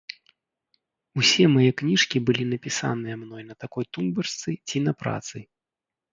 Усе мае кніжкі былі напісаныя мной на такой тумбачцы ці на працы.